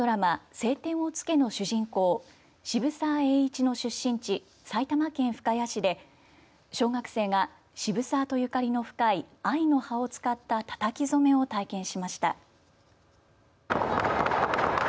青天を衝けの主人公渋沢栄一の出身地埼玉県深谷市で小学生が、渋沢と縁の深い藍の葉を使ったたたき染めを体験しました。